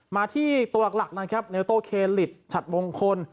มาที่ตัวหลักหลักนะครับเนวโตเคลิดชัดวงคล